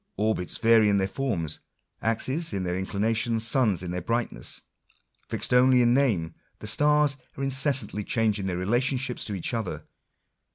Orbits vary in their forms, axes in their in clinations, suns in their brightness. Fixed only in name, the stars are incessantly changing their relationships to each other.